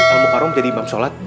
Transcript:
silahkan al mukarram jadi imam sholat